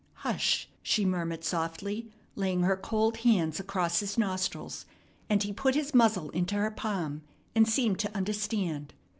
"Hush!" she murmured softly, laying her cold hands across his nostrils; and he put his muzzle into her palm, and seemed to understand.